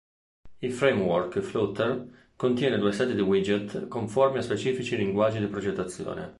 Il framework Flutter contiene due set di widget conformi a specifici linguaggi di progettazione.